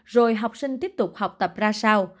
rồi học sinh tiếp tục học tập ra sao